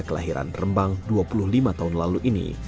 kelahiran rembang dua puluh lima tahun lalu ini